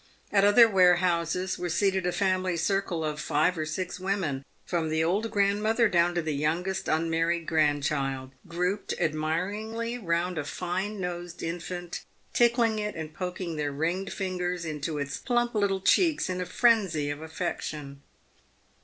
At other warehouses were seated a family circle of five or six women — from the old grandmother down to the youngest unmarried grandchild — grouped admiringly round a fine nosed infant, tickling it, and poking their ringed fingers into its plump little cheeks in a frenzy of affection.